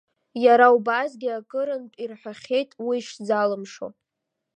Иара убасгьы акырынтә ирҳәахьеит уи шзалымшо.